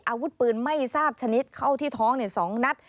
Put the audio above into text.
อาวุธปืนไม่ทราบชนิดเข้าที่ท้อง๒นัด